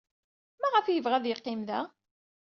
Maɣef ay yebɣa ad yeqqim da?